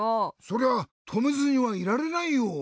そりゃとめずにはいられないよ。